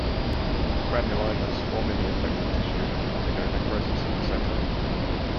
Granulomas form in the infected tissue and undergo necrosis in the centre.